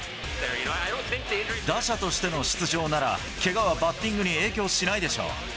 打者としての出場なら、けがはバッティングに影響しないでしょう。